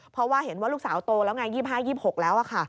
เพราะว่าเห็นว่าลูกสาวโตแล้วไง๒๕๒๖แล้วค่ะ